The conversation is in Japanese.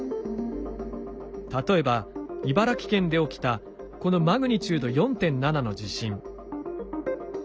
例えば茨城県で起きたこのマグニチュード４．７の地震。